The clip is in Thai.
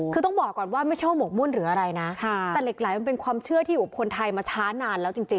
คือต้องบอกก่อนว่าไม่ใช่ว่าหมกมุ่นหรืออะไรนะแต่เหล็กไหลมันเป็นความเชื่อที่อยู่คนไทยมาช้านานแล้วจริง